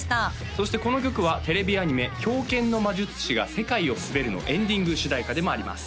そしてこの曲はテレビアニメ「冰剣の魔術師が世界を統べる」のエンディング主題歌でもあります